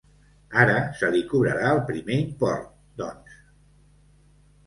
Ara se li cobrarà el primer import, doncs.